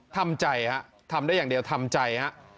ทำใจฮะทำได้อย่างเดียวทำใจฮะ